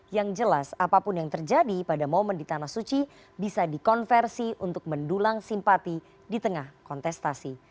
yang jelas apapun yang terjadi pada momen di tanah suci bisa dikonversi untuk mendulang simpati di tengah kontestasi